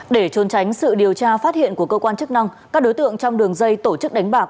để trôn tránh sự điều tra phát hiện của cơ quan chức năng các đối tượng trong đường dây tổ chức đánh bạc